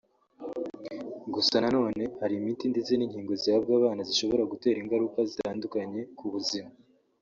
gusa nanone hari imiti ndetse n’inkingo zihabwa abana zishobora gutera ingaruka zitandukanye ku buzima